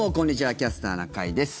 「キャスターな会」です。